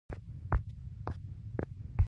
• د سهار سپین آسمان د صفا نښه ده.